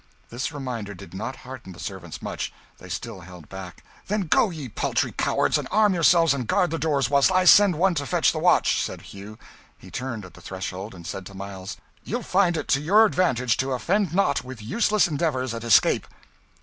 This reminder did not hearten the servants much; they still held back. "Then go, ye paltry cowards, and arm yourselves and guard the doors, whilst I send one to fetch the watch!" said Hugh. He turned at the threshold, and said to Miles, "You'll find it to your advantage to offend not with useless endeavours at escape."